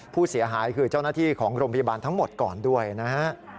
ผู้เสียหายคือเจ้าหน้าที่ของโรงพยาบาลทั้งหมดก่อนด้วยนะฮะ